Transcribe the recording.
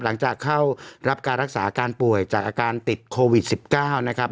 หลังจากเข้ารับการรักษาอาการป่วยจากอาการติดโควิด๑๙นะครับ